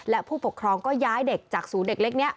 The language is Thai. และผู้ปกครองก็ย้ายเด็กจากศูนย์เด็กเล็กนี้